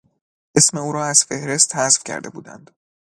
اسم او را از فهرست حذف کرده بودند.